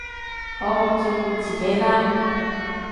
好好照顧自己啦